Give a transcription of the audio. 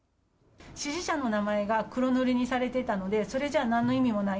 指示者の名前が黒塗りにされてたので、それじゃなんの意味もない。